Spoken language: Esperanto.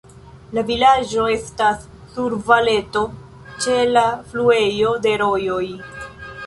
La vilaĝo estas sur valeto, ĉe la fluejo de rojoj.